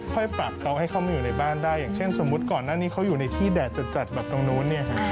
ปรับเขาให้เข้ามาอยู่ในบ้านได้อย่างเช่นสมมุติก่อนหน้านี้เขาอยู่ในที่แดดจัดแบบตรงนู้น